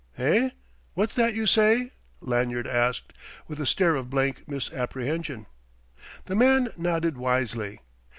"Eh what's that you say?" Lanyard asked, with a stare of blank misapprehension. The man nodded wisely.